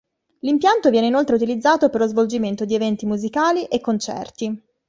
L'impianto viene inoltre utilizzato per lo svolgimento di eventi musicali e concerti.